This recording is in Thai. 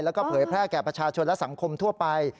แล้วก็เผยแพร่แก่ประชาชนและสังคมทั่วไป